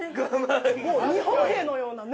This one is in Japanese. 日本兵のようなね。